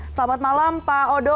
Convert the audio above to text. selamat malam pak odo